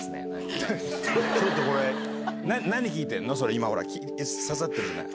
今挿さってるじゃない。